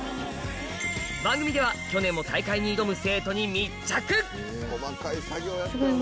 番組では去年も大会に挑む生徒に密着！